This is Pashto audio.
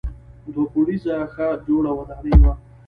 دوه پوړیزه ښه جوړه ودانۍ وه.